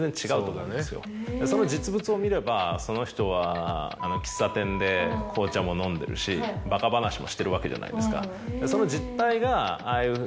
実物を見ればその人は喫茶店で紅茶も飲んでるしバカ話もしてるわけじゃないですか。